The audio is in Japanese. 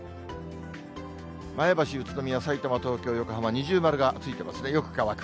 前橋、宇都宮、さいたま、東京、横浜、二重丸がついてますね、よく乾く。